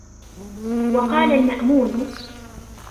وَقَالَ الْمَأْمُونُ